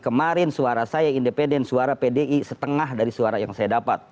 kemarin suara saya independen suara pdi setengah dari suara yang saya dapat